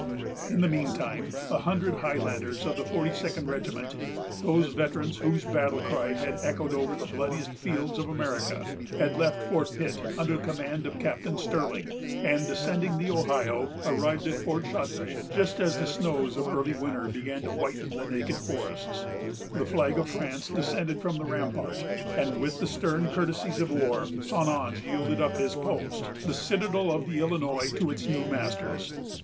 In the mean time, a hundred Highlanders of the 42d Regiment, those veterans whose battle cry had echoed over the bloodiest fields of America, had left Fort Pitt under command of Captain Sterling, and, descending the Ohio, arrived at Fort Chartres just as the snows of early winter began to whiten the naked forests. The flag of France descended from the rampart; and with the stern courtesies of war, St. Ange yielded up his post, the citadel of the Illinois, to its new masters.